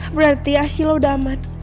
berarti arsila sudah aman